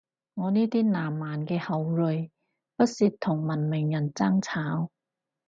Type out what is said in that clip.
我呢啲南蠻嘅後裔，不屑同文明人爭吵